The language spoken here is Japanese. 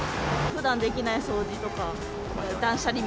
ふだんできない掃除とか。